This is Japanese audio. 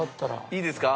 いいですか？